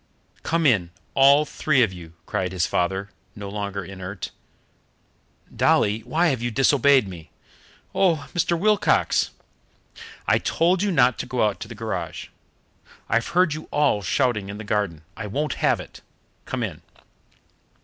"Come in, all three of you!" cried his father, no longer inert. "Dolly, why have you disobeyed me?" "Oh, Mr. Wilcox " "I told you not to go out to the garage. I've heard you all shouting in the garden. I won't have it. Come in."